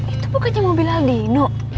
itu bukannya mobil aldino